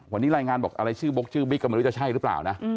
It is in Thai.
วันนี้รายงานบอกอะไรชื่อบุ๊กชื่อบิ๊กก็ไม่รู้จะใช่หรือเปล่านะ